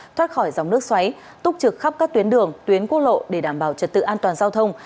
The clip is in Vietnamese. thoát khỏi dòng nước xoáy túc trực khắp các tuyến đường tuyến quốc lộ để đảm bảo trật tự an toàn giao thông